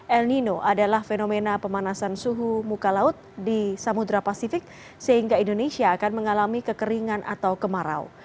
el nino adalah fenomena pemanasan suhu muka laut di samudera pasifik sehingga indonesia akan mengalami kekeringan atau kemarau